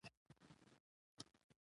حیوانات په ځنګل کې ژوند کوي.